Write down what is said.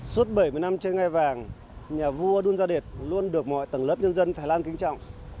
suốt bảy mươi năm trên ngai vàng nhà vua đun gia điệt luôn được mọi tầng lớp nhân dân thái lan kính trọng